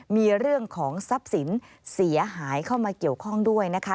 เสียหายเข้ามาเกี่ยวข้องด้วยนะคะ